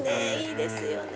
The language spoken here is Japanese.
いいですよね。